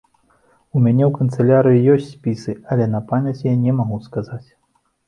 У мяне ў канцылярыі ёсць спісы, але на памяць я не магу сказаць.